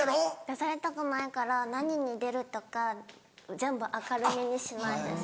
出されたくないから何に出るとか全部明るみにしないです。